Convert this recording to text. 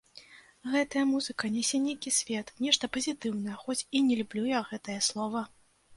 Гэтая музыка нясе нейкі свет, нешта пазітыўнае, хоць і не люблю я гэтае слова.